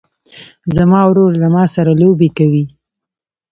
زما ورور له ما سره لوبې کوي.